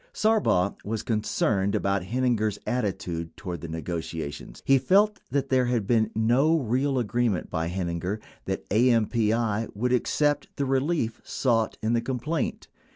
Sarbaugh was concerned about Heininger's attitude toward the ne gotiations; he felt that there had been no real agreement by Heininger that AMPI would accept the relief sought in the complaint.